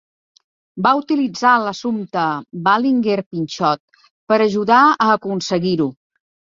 Va utilitzar l'assumpte Ballinger-Pinchot per ajudar a aconseguir-ho.